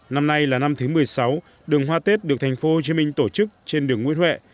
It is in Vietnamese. năm nay là năm thứ một mươi sáu đường hoa tết được thành phố hồ chí minh tổ chức trên đường nguyễn huệ